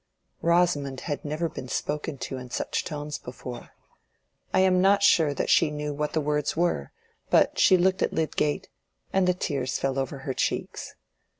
Rosamond had never been spoken to in such tones before. I am not sure that she knew what the words were: but she looked at Lydgate and the tears fell over her cheeks.